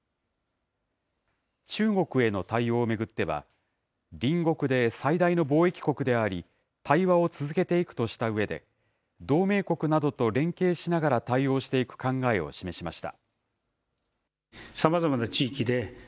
中国への対応を巡っては、隣国で最大の貿易国であり、対話を続けていくとしたうえで、同盟国などと連携しながら対応していく考えを示しました。